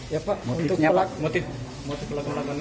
ya pak untuk pelaku melakukan ini